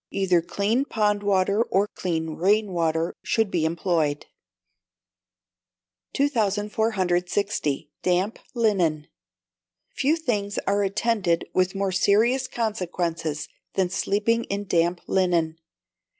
Either clean pond water or clean rain water should be employed. 2460. Damp Linen. Few things are attended with more serious consequences than sleeping in damp linen.